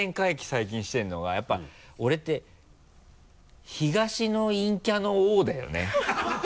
最近してるのがやっぱり俺って東の陰キャの王だよね。